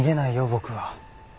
僕は。